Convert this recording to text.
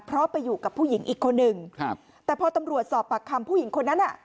เพราะไปอยู่กับผู้หญิงอีกคนหนึ่งครับแต่พอตำรวจสอบปากคำผู้หญิงคนนั้นอ่ะ